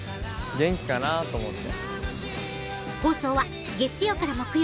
元気かなぁと思って。